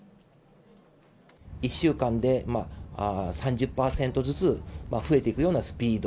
１週間で３０％ずつ、増えていくようなスピード。